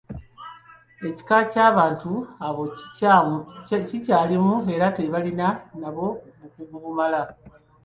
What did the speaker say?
Ekika ky’abantu abo kikyalimu era nga tebalina nabo bukugu bumala.